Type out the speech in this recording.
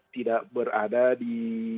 tidak berada di